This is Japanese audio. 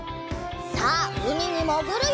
さあうみにもぐるよ！